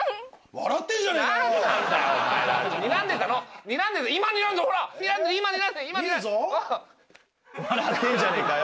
笑ってんじゃねえかよ。